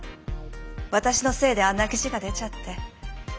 私のせいであんな記事が出ちゃって。